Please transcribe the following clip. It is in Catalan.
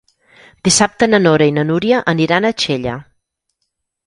Dissabte na Nora i na Núria aniran a Xella.